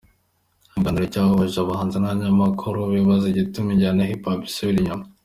Icyo kiganiro cyahuje abahanzi n’abanyamakuru bibaza igituma injyana ya Hip Hop isubira inyuma.